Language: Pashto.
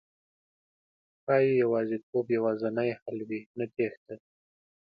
ښایي يوازېتوب یوازېنی حل وي، نه تېښته